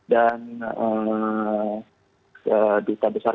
dan di kbr iryad